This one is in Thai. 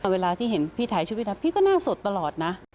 เวลาที่เห็นพี่ถ่ายชุดพี่นั้นพี่ก็หน้าสดตลอดนะ